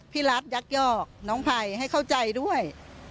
พี่รัฐยักยอกน้องไพรให้เข้าใจด้วย